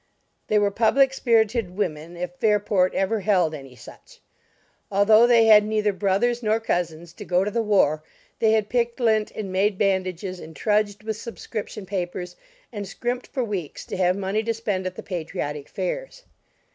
They were public spirited women, if Fairport ever held any such. Although they had neither brothers nor cousins to go to the war, they had picked lint and made bandages and trudged with subscription papers and scrimped for weeks to have money to spend at the patriotic fairs.